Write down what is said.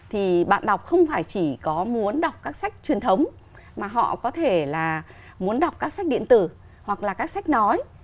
thì bạn đọc không phải chỉ có muốn đọc các sách truyền thống mà họ có thể là muốn đọc các sách điện tử hoặc là các sách nói